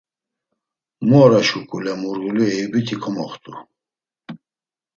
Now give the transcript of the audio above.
Mu ora şuǩule Murğuli Eyubiti komoxt̆u.